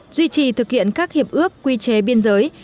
duy trì thực hiện các hiệp ước quy chế biên giới